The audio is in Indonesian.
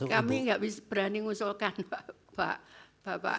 kami enggak berani ngusulkan pak